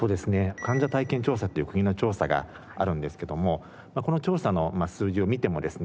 患者体験調査っていう国の調査があるんですけどもこの調査の数字を見てもですね